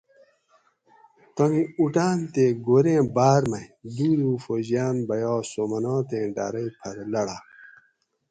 تانی اوٹاۤن تے گوریں بار مئ دودوفوجیان بیا سومناتیں ڈارئ پھر لاڑا